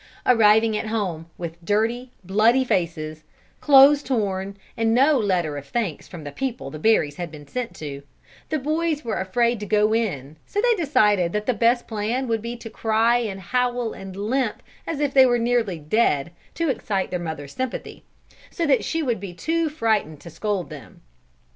Arriving at home, with dirty, bloody faces; clothes torn, and no letter of thanks from the people the berries had been sent to, the boys were afraid to go in so they decided that the best plan would be to cry and howl and limp, as if they were nearly dead, to excite their mother's sympathy; so that she would be too frightened to scold them.